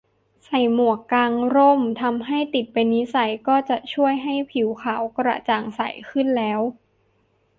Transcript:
ใส่หมวก กางร่ม ทำให้ติดเป็นนิสัยก็จะช่วยให้ผิวขาวกระจ่างใสขึ้นแล้ว